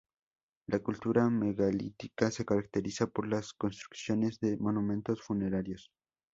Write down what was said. La cultura megalítica se caracteriza por las construcciones de monumentos funerarios.